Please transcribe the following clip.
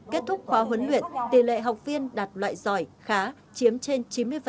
kết thúc khóa huấn luyện tỷ lệ học viên đạt loại giỏi khá chiếm trên chín mươi